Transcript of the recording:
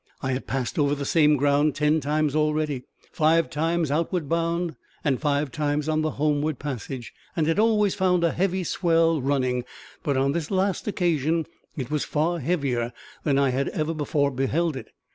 I had passed over the same ground ten times already five times outward bound, and five times on the homeward passage and had always found a heavy swell running, but on this last occasion it was far heavier than I had ever before beheld it.